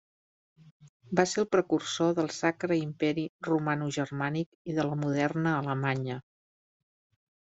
Va ser el precursor del Sacre Imperi Romanogermànic i de la moderna Alemanya.